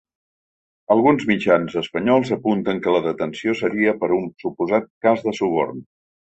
Alguns mitjans espanyols apunten que la detenció seria per un suposat cas de suborn.